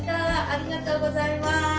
ありがとうございます。